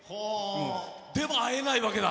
でも会えないわけだ。